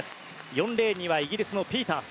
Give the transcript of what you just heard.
４レーンにはイギリスのピータース。